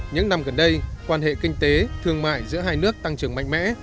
những năm gần đây quan hệ kinh tế thương mại giữa hai nước tăng trưởng mạnh mẽ